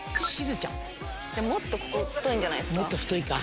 もっと太いんじゃないですか？